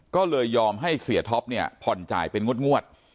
ก็เลยยอมให้เสียท็อปเนี่ยผ่อนจ่ายเป็นงวด